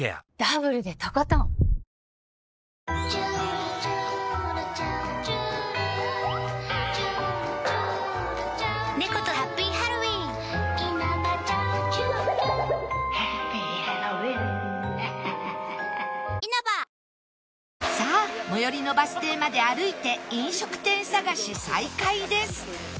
ニトリさあ最寄りのバス停まで歩いて飲食店探し再開です